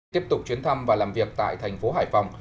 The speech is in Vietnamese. tiếp tục chuyến thăm và làm việc tại thành phố hải phòng